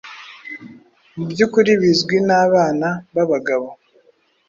Mubyukuri bizwi nabana babagabo